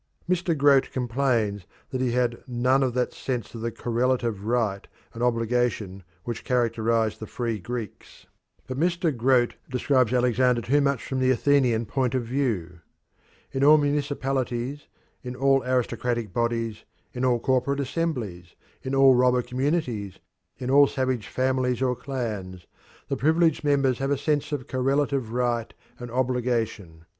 Mr. Grote complains that "he had none of that sense of correlative right and obligation which characterised the free Greeks," but Mr. Grote describes Alexander too much from the Athenian point of view. In all municipalities, in all aristocratic bodies, in all corporate assemblies, in all robber communities, in all savage families or clans, the privileged members have a sense of correlative right and obligation.